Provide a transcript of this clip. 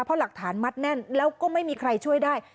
เพราะหลักฐานมัดแน่นแล้วก็ไม่มีใครช่วยได้